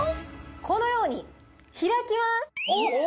このように開きます。